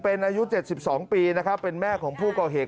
เป็นอายุ๗๒ปีนะครับเป็นแม่ของผู้ก่อเหตุ